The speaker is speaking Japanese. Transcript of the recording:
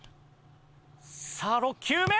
さあ６球目！